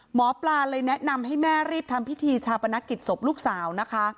หมอปลาเลยแนะนำให้แม่รีบทำพิธีชาปนกิจศพลูกสาวนะคะ